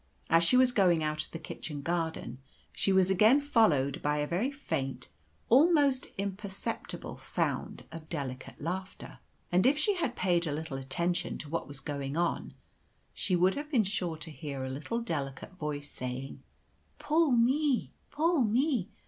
As she was going out of the kitchen garden, she was again followed by a very faint, almost imperceptible, sound of delicate laughter; and if she had paid a little attention to what was going on, she would have been sure to hear a little delicate voice saying, "Pull me, pull me!